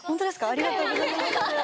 ありがとうございます！